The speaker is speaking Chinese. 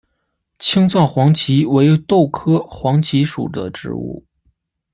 青藏黄耆为豆科黄芪属的植物。